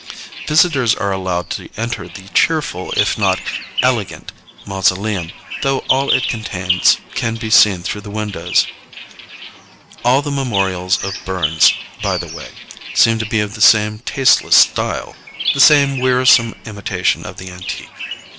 Visitors are allowed to enter the cheerful, if not elegant mausoleum, though all it contains can be seen through the windows. All the memorials of Burns, by the way, seem to be of the same tasteless style the same wearisome imitation of the antique.